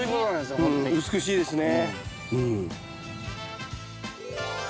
美しいですね。